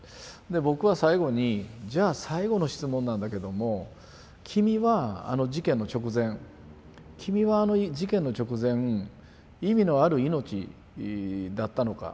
で僕は最後にじゃあ最後の質問なんだけども君はあの事件の直前君はあの事件の直前意味のある命だったのか？